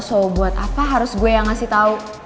so buat apa harus gue yang ngasih tahu